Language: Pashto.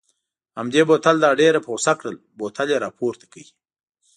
همدې بوتل دا ډېره په غوسه کړل، بوتل یې را پورته کړ.